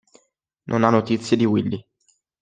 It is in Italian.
Non ha notizie di Willi.